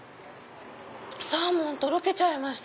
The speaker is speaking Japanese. サーモンとろけちゃいました。